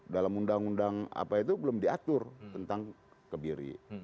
dalam undang undang apa itu belum diatur tentang kebiri